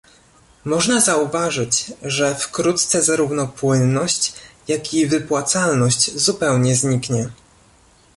Można zauważyć, że wkrótce zarówno płynność, jak i wypłacalność zupełnie zniknie